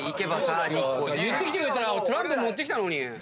言ってくれたらトランプ持ってきたのに。